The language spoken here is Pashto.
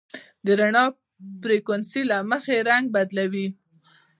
رڼا د فریکونسۍ له مخې رنګ بدلوي.